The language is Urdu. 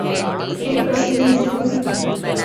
ایک پرچی نے مجھے دونوں